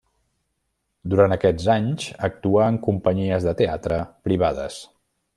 Durant aquests anys actuà en companyies de teatre privades.